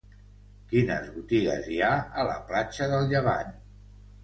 Quines botigues hi ha a la platja del Llevant?